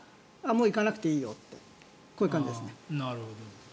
もう行かなくていいよとこういう感じですね。